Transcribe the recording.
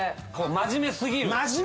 真面目過ぎる。